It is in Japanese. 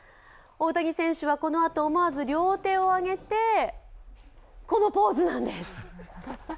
大谷選手はこの後、思わず両手を挙げてこのポーズなんです。